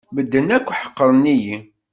Medden akk ḥeqren-iyi.